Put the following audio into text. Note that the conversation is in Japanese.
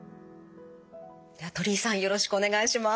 では鳥居さんよろしくお願いします。